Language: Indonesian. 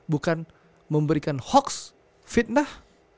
bukan memberikan hoaks fitnah